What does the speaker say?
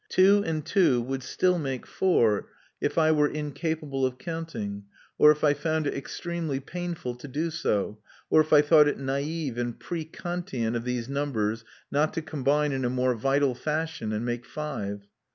Two and two would still make four if I were incapable of counting, or if I found it extremely painful to do so, or if I thought it naive and pre Kantian of these numbers not to combine in a more vital fashion, and make five.